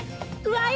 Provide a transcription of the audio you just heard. わい！